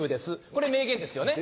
これ名言ですよね？